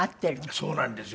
そうなんですよ。